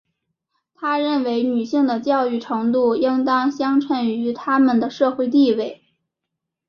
她认为女性的教育程度应当相称于她们的社会地位。